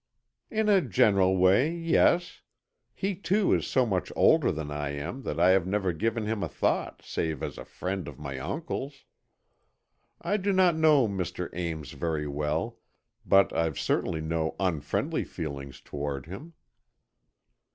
"In a general way, yes. He too, is so much older than I am that I have never given him a thought save as a friend of my uncle's. I don't know Mr. Ames very well, but I've certainly no unfriendly feelings toward him."